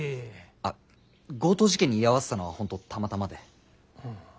あっ強盗事件に居合わせたのは本当たまたまで。